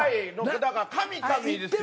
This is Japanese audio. だから神神ですよ。